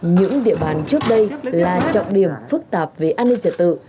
những địa bàn trước đây là trọng điểm phức tạp về an ninh trật tự